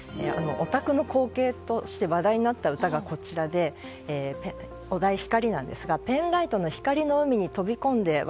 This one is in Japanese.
オタクの光景として話題になった歌がこちらでお題は「光」なんですが「ペンライト光の海に飛び込んで。